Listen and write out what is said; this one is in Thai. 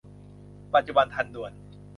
ปัจจุบันทันด่วน